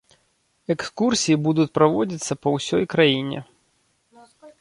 Экскурсіі будуць праводзіцца па ўсёй краіне.